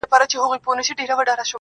مـه کوه نــــــخرې پکي تاوان کوي